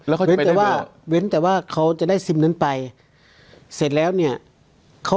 แล้วเขาจะไปได้เบอร์